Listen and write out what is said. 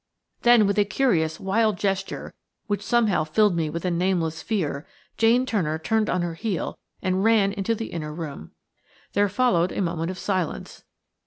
Then, with a curious, wild gesture, which somehow filled me with a nameless fear, Jane Turner turned on her heel and ran into the inner room. There followed a moment of silence.